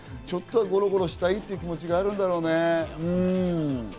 ちょっとゴロゴロしたいって気持ちがあるんだろうね。